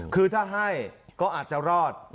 คือถ้าให้ก็อาจจะรอด